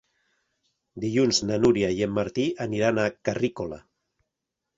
Dilluns na Núria i en Martí aniran a Carrícola.